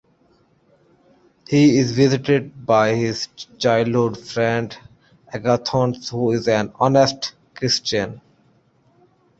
He is visited by his childhood friend Agathon, who is an honest Christian.